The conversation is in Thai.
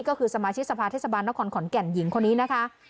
ก็คือสมาชิกสภาเทศบาลนครขอนแก่นหญิงคนนี้นะคะ